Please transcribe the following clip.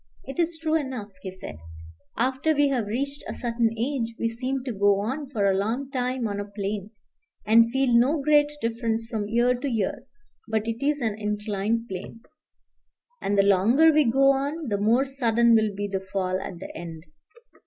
"It is true enough," he said; "after we have reached a certain age we seem to go on for a long time on a plane, and feel no great difference from year to year; but it is an inclined plane, and the longer we go on the more sudden will be the fall at the end.